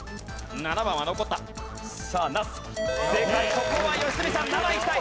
ここは良純さん７いきたい